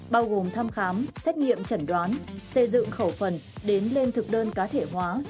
bao gồm thăm khám xét nghiệm chẩn đoán xây dựng khẩu phần đến lên thực đơn cá thể hóa